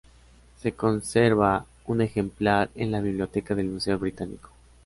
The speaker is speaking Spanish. Se conserva un ejemplar en la Biblioteca del Museo Británico.